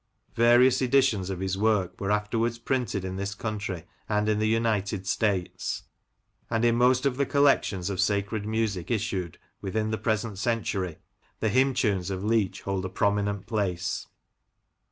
Various editions of his works were afterwards printed in this country and in the United States ; and in most of the collections of sacred music issued within the present century the hymn tunes of Leach hold a prominent place.